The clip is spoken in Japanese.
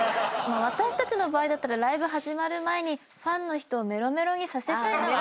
私たちの場合だったらライブ始まる前にファンの人をメロメロにさせたいなは。